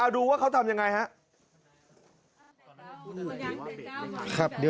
ดูว่าเขาทำยังไง